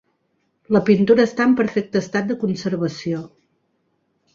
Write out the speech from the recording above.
La pintura està en un perfecte estat de conservació.